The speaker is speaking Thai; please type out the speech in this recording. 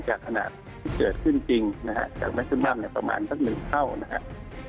จากขนาดที่เกิดขึ้นจริงนะครับจากไม่ขึ้นบ้างเนี่ยประมาณสัก๑เท่านะครับ